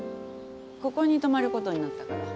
ここに泊まることになったから。